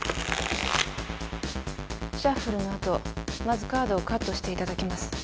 シャッフルの後まずカードをカットしていただきます。